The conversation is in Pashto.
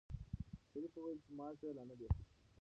شریف وویل چې معاش یې لا نه دی اخیستی.